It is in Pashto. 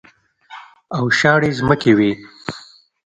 او شاړې ځمکې وې.